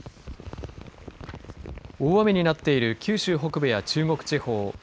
大雨になっている九州北部や中国地方。